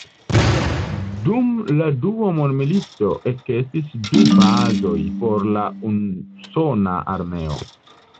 Dum la dua mondmilito ekestis du bazoj por la usona armeo.